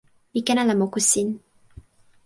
mi ken ala moku sin.